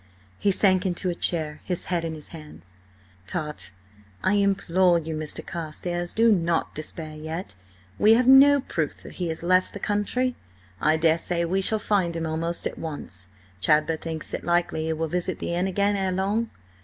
He sank into a chair, his head in his arms. "Tut! I implore you, Mr. Carstares! Do not despair yet. We have no proof that he has left the country. I daresay we shall find him almost at once. Chadber thinks it likely he will visit the inn again ere long.